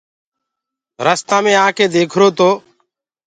رستآ مي آڪي ديکرو تو